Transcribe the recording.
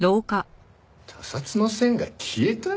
他殺の線が消えた！？